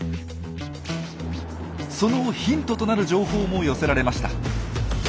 そのヒントとなる情報も寄せられました。